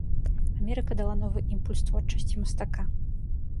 Амерыка дала новы імпульс творчасці мастака.